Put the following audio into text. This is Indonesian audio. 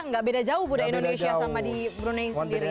nggak beda jauh budaya indonesia sama di brunei sendiri